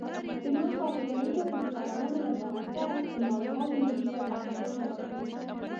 د نوو سافټویرونو د کارونې له برکت د معلوماتو مدیریت اسان شوی دی.